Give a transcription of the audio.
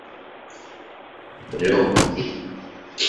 The film stars Sharma with Madhubala and Geeta Bali.